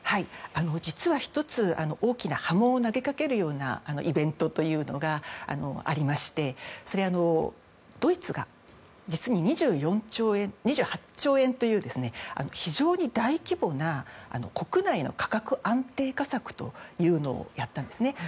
実は１つ大きな波紋を投げかけるようなイベントというのがありましてドイツが実に２８兆円という非常に大規模な国内の価格安定化策というのをやったんですね。